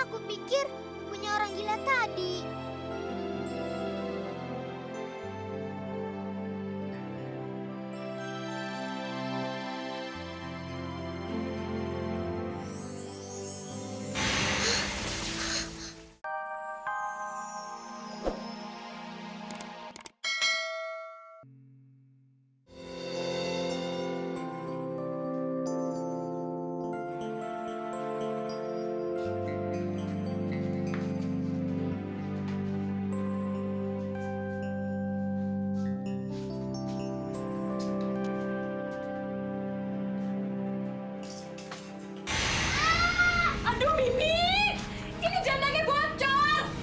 mimi ini jandangnya bocor